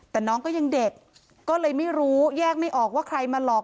แต่น้องก็ยังเด็กก็เลยไม่รู้แยกไม่ออกว่าใครมาหลอก